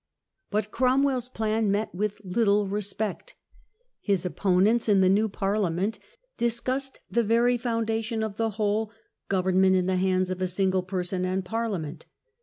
But Cromwell's plan met with little respect. His opponents in the new Parliament discussed the very foundation of the whole, " government in the hands of a single person and Parliament